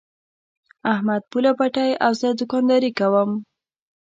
احمد پوله پټی او زه دوکانداري کوم.